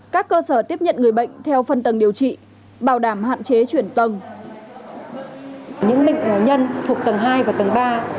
các cơ sở tiếp nhận người bệnh theo phần tầng điều trị bảo đảm hạn chế chuyển tầng